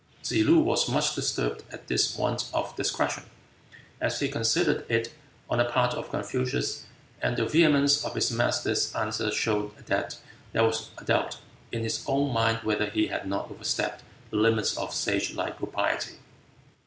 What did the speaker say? Tsze loo was much disturbed at this want of discretion, as he considered it, on the part of Confucius, and the vehemence of his master's answer showed that there was a doubt in his own mind whether he had not overstepped the limits of sage like propriety.